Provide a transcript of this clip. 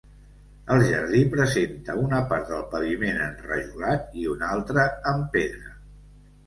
El jardí presenta una part del paviment enrajolat i una altra amb pedra.